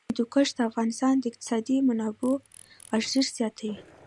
هندوکش د افغانستان د اقتصادي منابعو ارزښت زیاتوي.